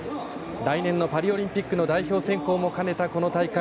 来年のパリオリンピックの代表選考も兼ねた、この大会。